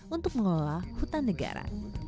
untuk mengelola hutan negara